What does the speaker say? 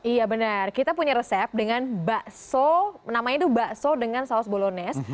iya benar kita punya resep dengan bakso namanya itu bakso dengan saus bolones